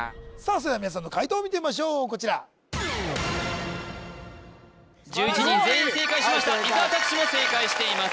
それでは皆さんの解答を見てみましょうこちら１１人全員正解しました伊沢拓司も正解しています